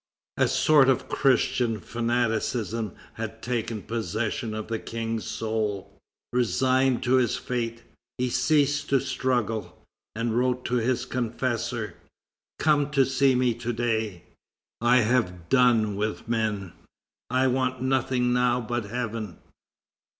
A sort of Christian fanaticism had taken possession of the King's soul. Resigned to his fate, he ceased to struggle, and wrote to his confessor: "Come to see me to day; I have done with men; I want nothing now but heaven."